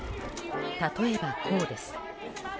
例えば、こうです。